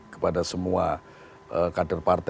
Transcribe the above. kepada semua kader partai